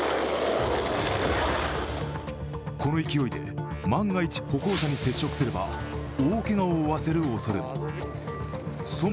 この勢いで万が一、歩行者に接触すれば大けがを負わせるおそれも。